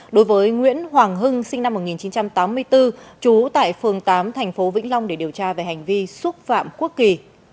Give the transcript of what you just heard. đối với nguyễn hoàng hưng sinh năm một nghìn chín trăm tám mươi bốn trú tại phường tám tp vĩnh long để điều tra về hành vi xúc phạm quốc kỳ